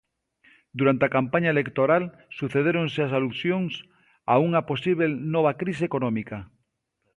Durante a campaña electoral sucedéronse as alusións a unha posíbel nova crise económica.